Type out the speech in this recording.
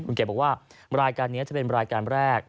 คุณเกดบอกว่ารายการนี้จะเป็นรายการแรก